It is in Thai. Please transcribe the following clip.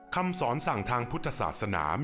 คำสอนสั่งทางพุทธศาสนา